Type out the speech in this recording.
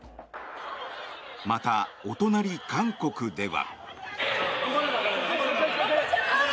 またお隣、韓国では。